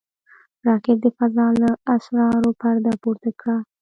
راکټ د فضا له اسرارو پرده پورته کړه